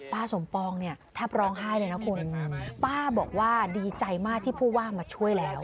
ป้าสมปองเนี่ยแทบร้องไห้เลยนะคุณป้าบอกว่าดีใจมากที่ผู้ว่ามาช่วยแล้ว